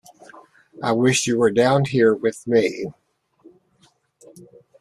I wish you were down here with me!